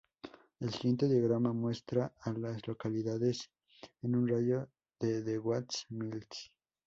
El siguiente diagrama muestra a las localidades en un radio de de Watts Mills.